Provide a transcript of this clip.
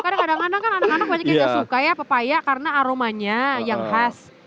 kadang kadang kan anak anak banyak yang gak suka ya pepaya karena aromanya yang khas